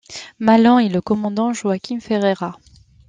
Malan et le commandant Joachim Ferreira.